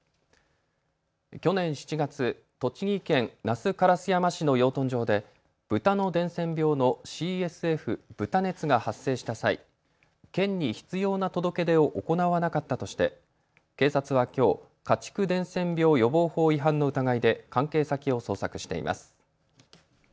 去年７月、栃木県那須烏山市の養豚場でブタの伝染病のＣＳＦ、豚熱が発生した際、県に必要な届け出を行わなかったとして警察はきょう家畜伝染病予防法違反の疑いで関係先を捜索しています。